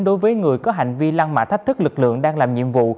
đối với người có hành vi lăng mạ thách thức lực lượng đang làm nhiệm vụ